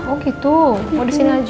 oh gitu mau disini aja